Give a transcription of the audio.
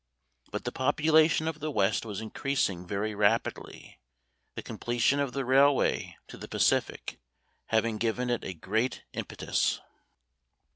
But the population of the West was increasing very rapidly, the completion of the railway to the Pacific having given it a great impetus.